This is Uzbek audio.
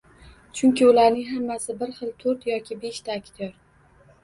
Chunki ularning hammasi bir xil, to'rt yoki beshta aktyor